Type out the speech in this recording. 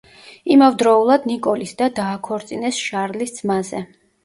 იმავდროულად, ნიკოლის და დააქორწინეს შარლის ძმაზე.